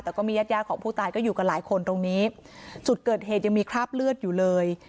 แต่ก็มีญาติญาติของผู้ตายก็อยู่กันหลายคนตรงนี้จุดเกิดเหตุยังมีคราบเลือดอยู่เลย